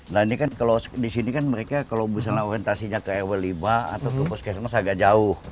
nah ini kan kalau di sini kan mereka kalau misalnya orientasinya ke rw lima atau ke puskesmas agak jauh